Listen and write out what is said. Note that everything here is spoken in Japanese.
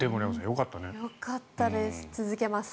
よかったです。